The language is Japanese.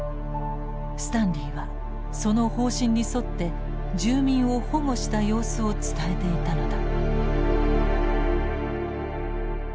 スタンリーはその方針に沿って住民を保護した様子を伝えていたのだ。